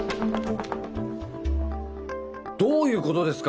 どういうことですか？